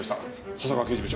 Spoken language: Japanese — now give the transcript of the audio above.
笹川刑事部長。